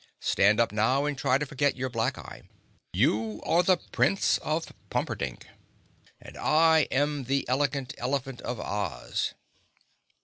"Stand up now and try to forget your black eye. You are the Prince of Pumperdink and I am the Elegant Elephant of Oz."